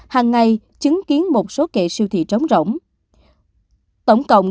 hàng ngày chứng kiến một số kệ siêu thị trống rỗng